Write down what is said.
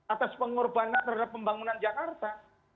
atas pengorbanan terhadap pembangunan jakarta